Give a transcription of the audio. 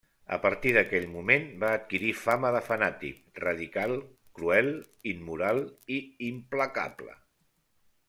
A partir d'aquell moment va adquirir fama de fanàtic, radical, cruel, immoral i implacable.